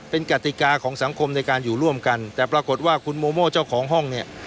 เป็นกติกาของสังคมในการอยู่ร่วมกันแต่ปรากฏว่าคุณโมโม่เจ้าของห้องเนี่ย